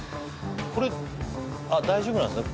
これあっ大丈夫なんですね